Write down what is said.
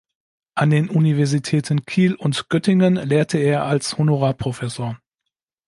An den Universitäten Kiel und Göttingen lehrte er als Honorarprofessor.